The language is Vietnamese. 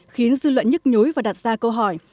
khiến dư luận nhức nhối và đặt ra câu hỏi